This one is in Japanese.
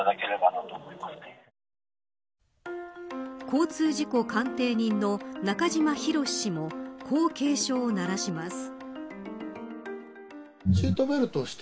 交通事故鑑定人の中島博史氏もこう警鐘を鳴らします。